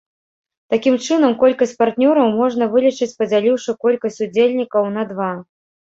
Такім чынам колькасць партнёраў можна вылічыць, падзяліўшы колькасць удзельнікаў на два.